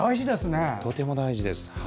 とても大事です。